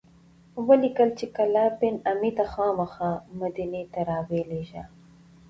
ولیکل چې کلاب بن امیة خامخا مدینې ته راولیږه.